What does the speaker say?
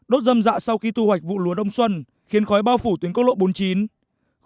đốt dâm dạ sau khi thu hoạch vụ lúa đông xuân khiến khói bao phủ tuyến cốc lộ bốn mươi chín